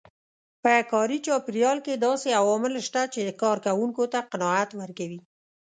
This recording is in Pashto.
په کاري چاپېريال کې داسې عوامل شته چې کار کوونکو ته قناعت ورکوي.